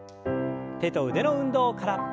手と腕の運動から。